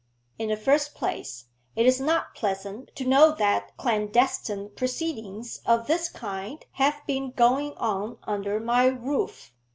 In the first place, it is not pleasant to know that clandestine proceedings of this kind have been going on under my roof.